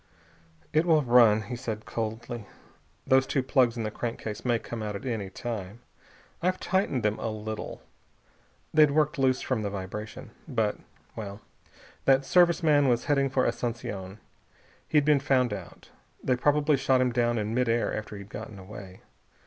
"It will run," he said coldly. "Those two plugs in the crankcase may come out at any time. I've tightened them a little. They'd worked loose from the vibration. But well.... That Service man was heading for Asunción. He'd been found out. They probably shot him down in mid air after he'd gotten away.